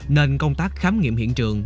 nên công tác khám nghiệm hiện trường